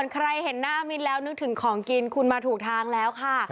ใครเห็นหน้ามินแล้วนึกถึงของกินคุณมาถูกทางแล้วค่ะ